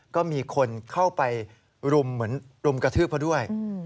ก็มีคนเข้าไปรุมเหมือนรุมกระทืบเขาด้วย